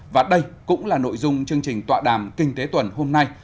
và đây cũng là nội dung chương trình tọa đàm kinh tế tuần hôm nay